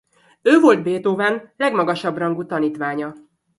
Ő volt Beethoven legmagasabb rangú tanítványa.